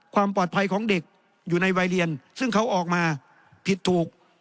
ความปลอดภัยของเด็กอยู่ในวัยเรียนซึ่งเขาออกมาผิดถูก